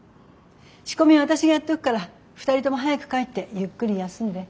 仕込みは私がやっておくから２人とも早く帰ってゆっくり休んで。